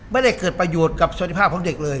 ไม่ได้เกิดประโยชน์กับสวัสดิภาพของเด็กเลย